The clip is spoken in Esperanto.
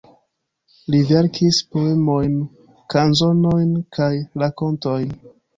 Li verkis poemojn, kanzonojn kaj rakontojn.